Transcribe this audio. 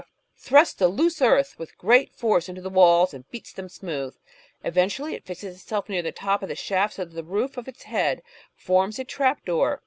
S ATTACKING A Natural History 513 thrusts the loose earth with great force into the walls, and beats them smooth. Eventually it fixes itself near the top of the shaft so that the roof of its head forms a trap door.